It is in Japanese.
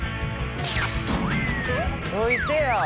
どいてや！